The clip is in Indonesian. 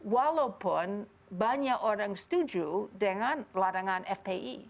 walaupun banyak orang setuju dengan larangan fpi